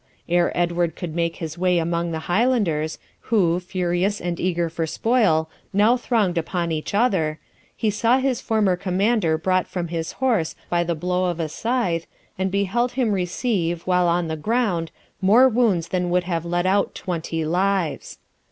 Ere Edward could make his way among the Highlanders, who, furious and eager for spoil, now thronged upon each other, he saw his former commander brought from his horse by the blow of a scythe, and beheld him receive, while on the ground, more wounds than would have let out twenty lives.